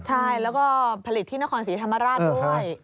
ใช่แล้วก็ผลิตที่นครศรีธรรมราชด้วย